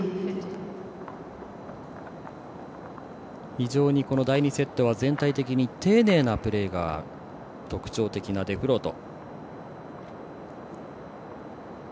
非常に第２セットは全体的に丁寧なプレーが特徴的なデフロート。